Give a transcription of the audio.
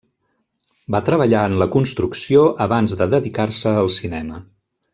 Va treballar en la construcció abans de dedicar-se al cinema.